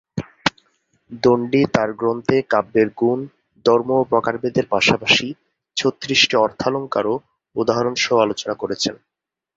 দন্ডী তাঁর গ্রন্থে কাব্যের গুণ, ধর্ম ও প্রকারভেদের পাশাপাশি ছত্রিশটি অর্থালঙ্কারও উদাহরণসহ আলোচনা করেছেন।